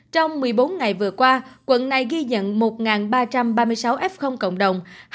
trong một mươi bốn ngày vừa qua quận này ghi nhận một ba trăm ba mươi sáu f cộng đồng